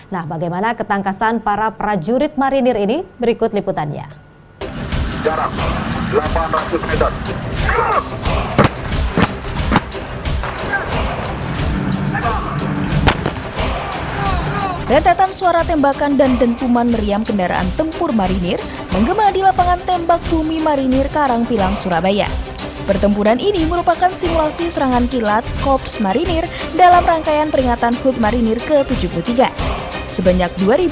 nah bagaimana ketangkasan para prajurit marinir ini berikut liputannya